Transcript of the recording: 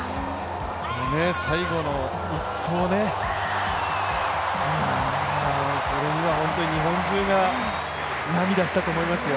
最後の１投、これには日本中が涙したと思いますよ。